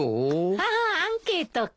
ああアンケートか。